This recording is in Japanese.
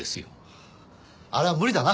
あれは無理だな。